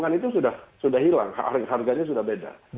kan itu sudah hilang harganya sudah beda